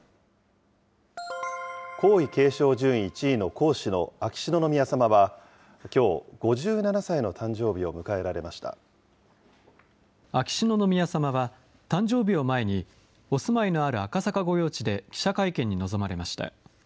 皇位継承順位１位の皇嗣の秋篠宮さまは、きょう、５７歳の誕秋篠宮さまは、誕生日を前にお住まいのある赤坂御用地で記者会見に臨まれました。